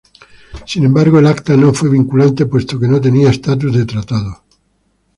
Sin embargo, el acta no fue vinculante puesto que no tenía estatus de tratado.